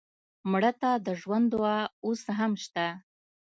مړه ته د ژوند دعا اوس هم شته